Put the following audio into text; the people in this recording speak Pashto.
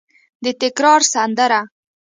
د تکرار سندره